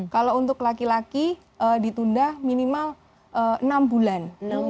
kalau untuk laki laki ditunda minimal enam bulan